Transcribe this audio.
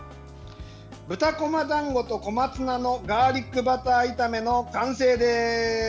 豚こまだんごと小松菜のガーリックバター炒めの完成です。